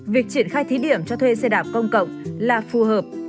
việc triển khai thí điểm cho thuê xe đạp công cộng là phù hợp